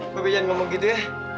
mbak be jangan ngomong gitu ya